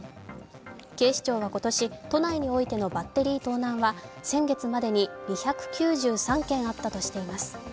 警視庁は今年、都内においてのバッテリー盗難は先月までに２９３件あったとしています。